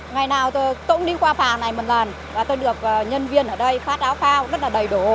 ngày nào tôi cũng đi qua phà này một lần và tôi được nhân viên ở đây phát áo phao rất là đầy đủ